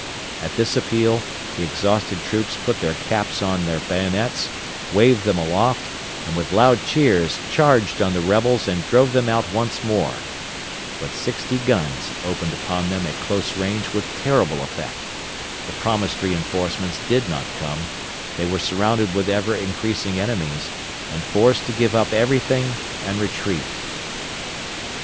At this appeal the exhausted troops put their caps on their bayonets, waved them aloft, and with loud cheers charged on the rebels and drove them out once more; but sixty guns opened upon them at close range with terrible effect; the promised reinforcements did not come; they were surrounded with ever increasing enemies, and forced to give up everything and retreat.